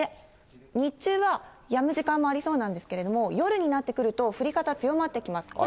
日中はやむ時間もありそうなんですけれども、夜になってくると、降り方、強まってきます。